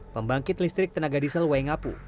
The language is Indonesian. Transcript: pembangkit listrik tenaga diesel waingapu